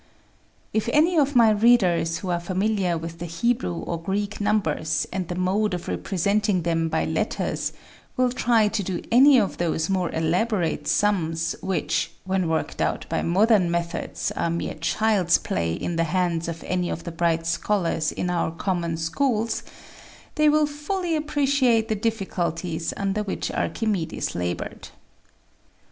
If any of my readers, who are familiar with the Hebrew or Greek numbers, and the mode of representing them by letters, will try to do any of those more elaborate sums which, when worked out by modern methods, are mere child's play in the hands of any of the bright scholars in our common schools, they will fully appreciate the diffi culties under which Archimedes labored.